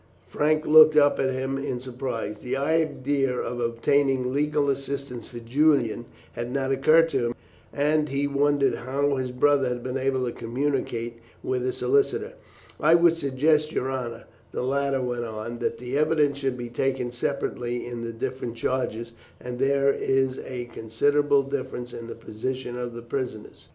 Frank looked up at him in surprise. The idea of obtaining legal assistance for Julian had not occurred to him, and he wondered how his brother had been able to communicate with a solicitor. "I would suggest, your honour," the latter went on, "that the evidence should be taken separately in the different charges, as there is a considerable difference in the position of prisoners."